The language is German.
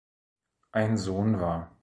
Ein Sohn war